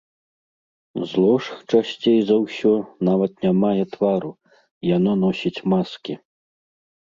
Зло ж, часцей за ўсё, нават не мае твару, яно носіць маскі.